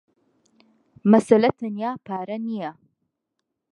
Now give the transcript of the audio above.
مەسەلە تەنیا پارە نییە.